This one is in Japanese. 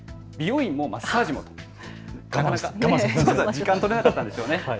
時間、取れなかったんでしょうね。